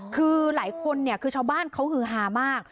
คือหลายคนเนี่ยคือชาวบ้านเขาฮือฮามาก